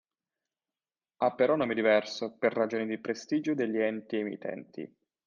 Ha però nome diverso per ragioni di prestigio degli enti emittenti.